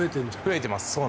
増えてます。